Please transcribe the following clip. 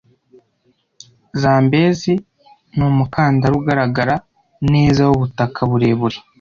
zambezi ni umukandara ugaragara neza wubutaka burebure